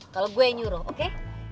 kalau gue yang nyuruh oke